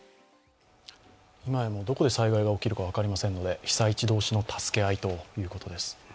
今や、もうどこで災害が起きるか分かりませんので被災地同士の助け合いということです。